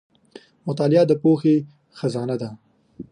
• مطالعه د پوهې خزانه ده.